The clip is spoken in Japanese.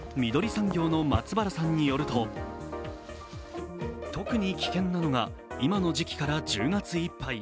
産業の松原さんによると、特に危険なのが今の時期から１０月いっぱい。